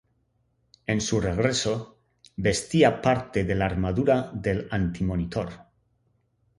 En su regreso, vestía parte de la armadura del Antimonitor.